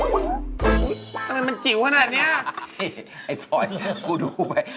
อุ้ยทำไมมันจิ๋วขนาดเนี้ยไอ้ฝ่อยกูดูไป